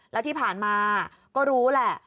แล้วที่ผ่านมาก็รู้แหละ